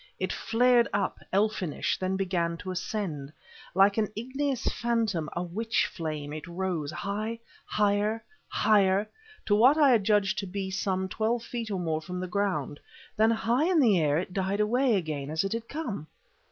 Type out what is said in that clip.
It flared up, elfinish, then began to ascend. Like an igneous phantom, a witch flame, it rose, high higher higher, to what I adjudged to be some twelve feet or more from the ground. Then, high in the air, it died away again as it had come!